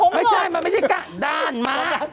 ไม่ใช่มันไม่ใช่กะด้านมา